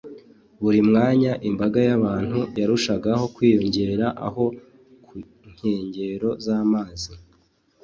buri mwanya imbaga y’abantu yarushagaho kwiyongera aho ku nkengero z’amazi